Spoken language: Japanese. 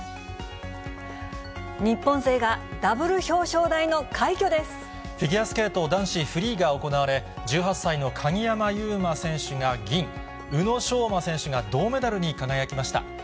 日本勢がダブル表彰台の快挙フィギュアスケート男子フリーが行われ、１８歳の鍵山優真選手が銀、宇野昌磨選手が銅メダルに輝きました。